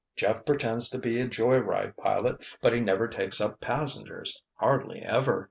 Jeff pretends to be a joy ride pilot, but he never takes up passengers—hardly ever.